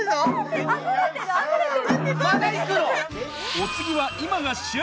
お次は今が旬！